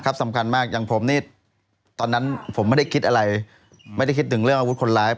สำคัญมากอย่างผมนี่ตอนนั้นผมไม่ได้คิดอะไรไม่ได้คิดถึงเรื่องอาวุธคนร้าย